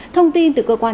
thông tin từ cơ quan tài nạn